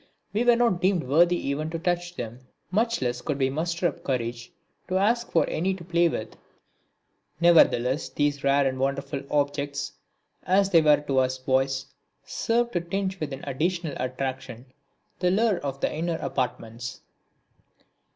We were not deemed worthy even to touch them, much less could we muster up courage to ask for any to play with. Nevertheless these rare and wonderful objects, as they were to us boys, served to tinge with an additional attraction the lure of the inner apartments.